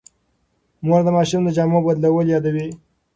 مور د ماشوم د جامو بدلول یادوي.